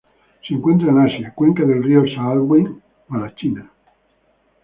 Se encuentran en Asia: cuenca del río Salween a la China.